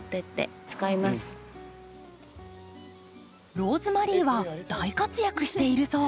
ローズマリーは大活躍しているそう。